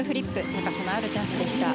高さのあるジャンプでした。